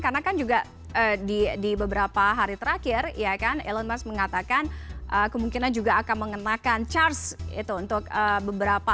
karena kan juga di beberapa hari terakhir ya kan elon musk mengatakan kemungkinan juga akan mengenakan charge itu untuk beberapa